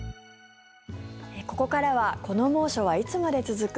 ここからはこの猛暑はいつまで続く？